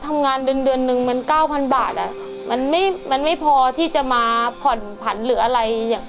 ทำงานเดือนเดือนนึงมันเก้าพันบาทอ่ะมันไม่มันไม่พอที่จะมาผ่อนผันหรืออะไรอย่าง